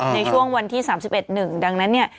ในช่วงวันที่๓๑ดังนั้น